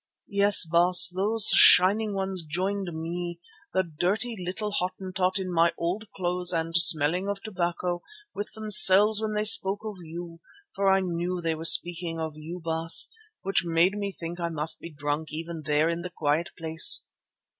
Yes, Baas, those Shining Ones joined me, the dirty little Hottentot in my old clothes and smelling of tobacco, with themselves when they spoke of you, for I knew they were speaking of you, Baas, which made me think I must be drunk, even there in the quiet place.